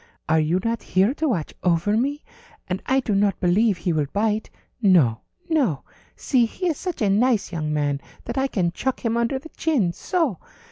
Are you not here to watch over me? And I do not believe he will bite. No, no. See, he is such a nice young man that I can chuck him under the chin. So!"